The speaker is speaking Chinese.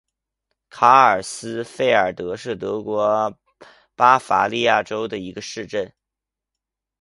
卡尔斯费尔德是德国巴伐利亚州的一个市镇。